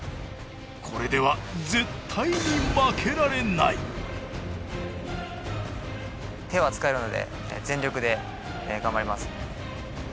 これでは絶対に手は使えるので全力で頑張ります。